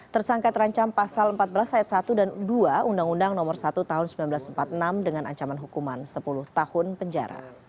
tersangka terancam pasal empat belas ayat satu dan dua undang undang nomor satu tahun seribu sembilan ratus empat puluh enam dengan ancaman hukuman sepuluh tahun penjara